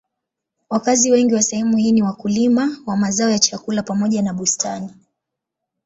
Wakazi wengi wa sehemu hii ni wakulima wa mazao ya chakula pamoja na bustani.